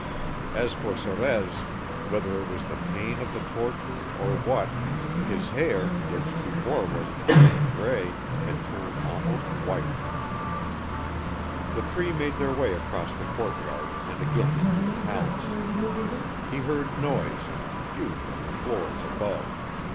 As for Sorez, whether it was the pain of the torture or what, his hair, which before was an iron gray, had turned almost white. The three made their way across the courtyard and again into the palace. He heard noise and confusion on the floors above.